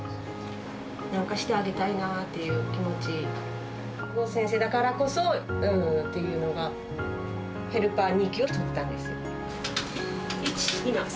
なんかしてあげたいなっていう気持ち、明子先生だからこそっていうのが、ヘルパー２級を取ったんです。